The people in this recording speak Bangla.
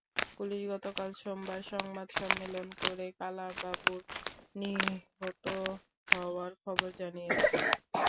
পুলিশ গতকাল সোমবার সংবাদ সম্মেলন করে কালা বাবুর নিহত হওয়ার খবর জানিয়েছে।